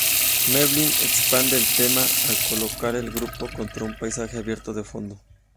Memling expande el tema al colocar el grupo contra un paisaje abierto de fondo.